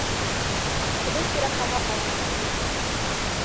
Һүҙен кире ҡаға алманы.